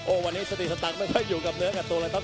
วันนี้สติสตังค์ไม่ค่อยอยู่กับเนื้อกับตัวเลยครับ